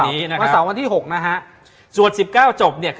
เล็กเล็กเล็กเล็กเล็กเล็กเล็ก